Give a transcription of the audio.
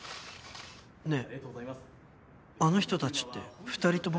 ねえあの人たちって２人とも